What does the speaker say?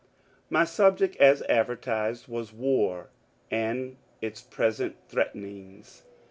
My subject as adrertised was '^ War, and its present Threatenings."